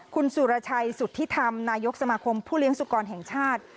คุณสุรชัยสุธิธรรมนายกสมาคมผู้เลี้ยงสุกรแห่งชาติ